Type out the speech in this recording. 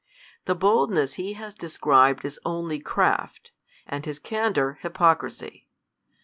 The boldness lie has de scribed is only craft, and his candor, hypocrisy.